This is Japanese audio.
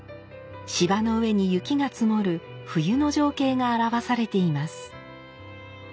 柴の上に雪が積もる冬の情景が表されています。